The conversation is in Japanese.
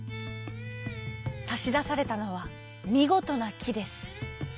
さしだされたのはみごとなきです。